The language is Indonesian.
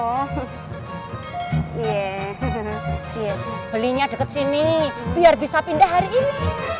oh iya belinya deket sini biar bisa pindah hari ini